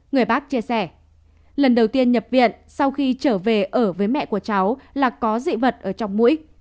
người bác chia sẻ lần đầu tiên nhập viện sau khi trở về ở với mẹ của cháu là có dị vật ở trong mũi